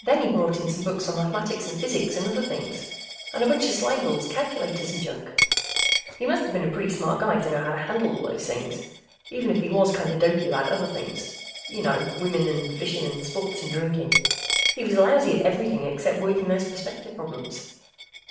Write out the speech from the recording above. Then he brought in some books on mathematics and physics and other things, and a bunch of slide rules, calculators, and junk. He musta been a pretty smart guy to know how to handle all those things, even if he was kinda dopey about other things. You know ... women and fishing and sports and drinking; he was lousy at everything except working those perspective problems.